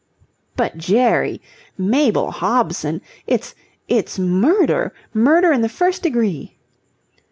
"But, Jerry! Mabel Hobson! It's... it's murder! Murder in the first degree."